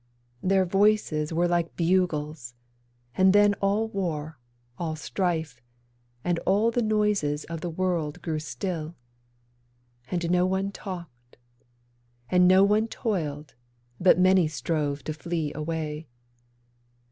Their voices were like bugles; And then all war, all strife, And all the noises of the world grew still; And no one talked; And no one toiled, but many strove to flee away.